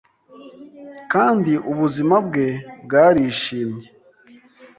kandi ubuzima bwe bwarishimye